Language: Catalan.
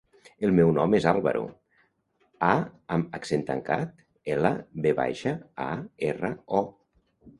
El meu nom és Álvaro: a amb accent tancat, ela, ve baixa, a, erra, o.